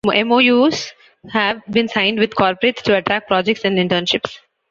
MoUs have been signed with corporates to attract projects and internships.